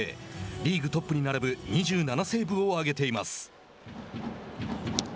リーグトップに並ぶ２７セーブを挙げています。